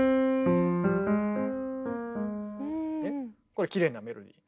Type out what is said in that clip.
これきれいなメロディー。